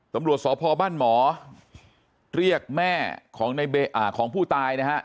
ตำรวจสพบ้านหมอเรียกแม่ของผู้ตายนะฮะ